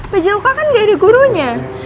bajauka kan gak ada gurunya